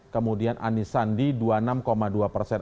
kemudian anies sandi dua puluh enam dua persen